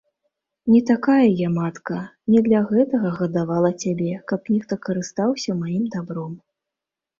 Не такая я матка, не для гэтага гадавала цябе, каб нехта карыстаўся маім дабром.